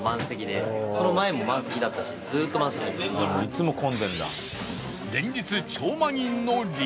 いつも混んでるんだ。